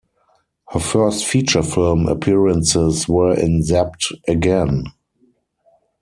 Her first feature film appearances were in Zapped Again!